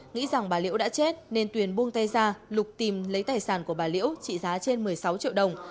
nghĩ rằng bà liễu đã chết nên tuyền buông tay ra lục tìm lấy tài sản của bà liễu trị giá trên một mươi sáu triệu đồng